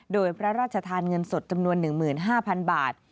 โดยพระราชทานเงินสดจำนวน๑๕๐๐๐บาท